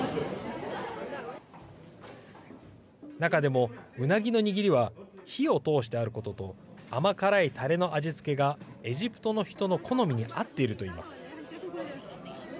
中でも、うなぎのにぎりは火を通してあることと甘辛いタレの味付けがエジプトの人の好みに合っているといいます。